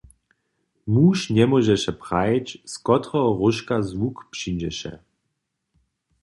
Muž njemóžeše prajić, z kotreho róžka zwuk přińdźeše.